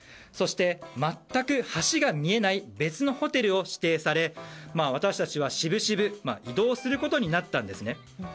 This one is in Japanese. そして、全く橋が見えない別のホテルを指定され私たちは、しぶしぶ移動することになったんですね。